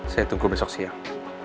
saya tunggu besok siang